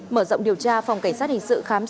mở rộng điều tra phòng cảnh sát hình sự khám xét